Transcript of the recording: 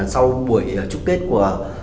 sau buổi chúc tết của